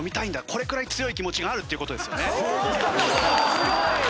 これくらい強い気持ちがあるっていう事ですよね。